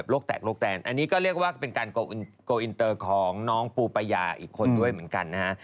แตกโรคแตนอันนี้ก็เรียกว่าเป็นการโกลอินเตอร์ของน้องปูปายาอีกคนด้วยเหมือนกันนะฮะ